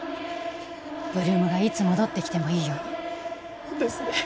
８ＬＯＯＭがいつ戻ってきてもいいようにですね